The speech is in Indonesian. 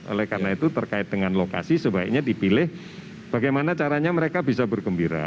oleh karena itu terkait dengan lokasi sebaiknya dipilih bagaimana caranya mereka bisa bergembira